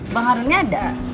bang harunnya ada